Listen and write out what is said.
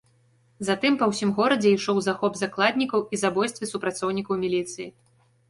Затым па ўсім горадзе ішоў захоп закладнікаў і забойствы супрацоўнікаў міліцыі.